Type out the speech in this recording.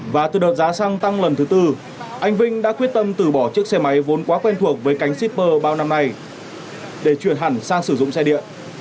và từ đợt giá xăng tăng lần thứ tư anh vinh đã quyết tâm từ bỏ chiếc xe máy vốn quá quen thuộc với cánh shipper bao năm nay để chuyển hẳn sang sử dụng xe điện